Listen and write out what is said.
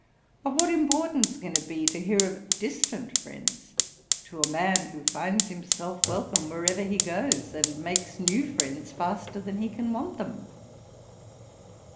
Of what importance can it be to hear of distant friends, to a man who finds himself welcome wherever he goes, and makes new friends faster than he can want them?